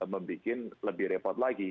membuat lebih repot lagi